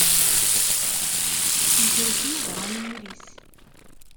Yekres Yuba anyir-nnes.